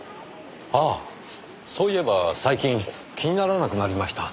ああそういえば最近気にならなくなりました。